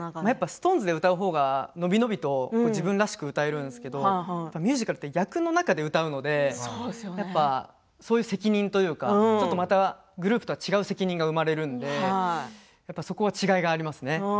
ＳｉｘＴＯＮＥＳで歌うほうが、なみなみと自分らしく歌えるんですけれどミュージカルは役の中で歌いますのでそういう責任というかグループとは違う責任が生まれますのでそこは違いがあります。